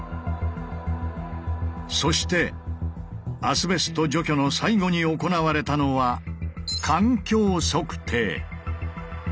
そしてアスベスト除去の最後に行われたのは「環境測定」。